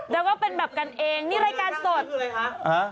แล้วก็เป็นแบบกันเองนี่รายการสด